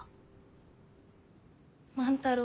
万太郎。